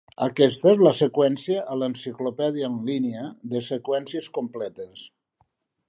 Aquesta és la seqüència a l'enciclopèdia en línia de seqüències completes.